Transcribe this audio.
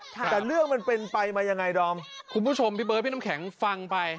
แต่เรื่องมันเป็นไปมายังไงดอมคุณผู้ชมพี่เบิร์ดพี่น้ำแข็งฟังไป